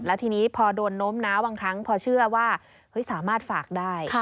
แล้วทีนี้พอโดนน้มนะบางครั้งพอเชื่อว่าสามารถฝากได้